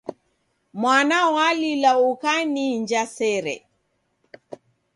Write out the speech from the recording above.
Mwana walila, ukaniinja sere.